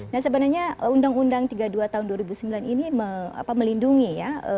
nah sebenarnya undang undang tiga puluh dua tahun dua ribu sembilan ini melindungi ya